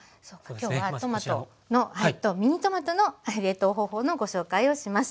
今日はトマトのミニトマトの冷凍方法のご紹介をします。